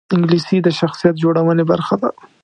انګلیسي د شخصیت جوړونې برخه ده